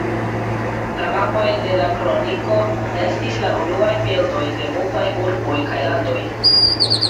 La mapoj de la Kroniko estis la unuaj bildoj de multaj urboj kaj landoj.